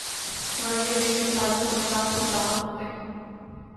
سوال یہ ہے کہ اس تعلق کو خطرات کب لاحق ہوتے ہیں؟